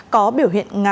có biểu hiện ngáo